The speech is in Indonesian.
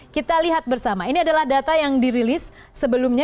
kita lihat bersama ini adalah data yang dirilis sebelumnya